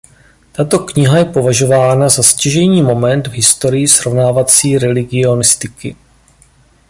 Tato kniha je považována za stěžejní moment v historii srovnávací religionistiky.